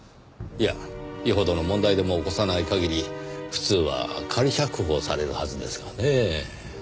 いやよほどの問題でも起こさない限り普通は仮釈放されるはずですがねぇ。